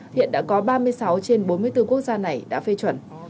hiện đã có ba mươi sáu trên bốn mươi bốn quốc gia này đã phê chuẩn